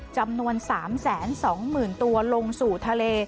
จำนวน๓๒๐๐๐ตัวลงสู่ทะเล